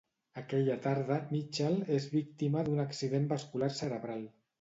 Aquella tarda, Mitchell és víctima d'un accident vascular cerebral.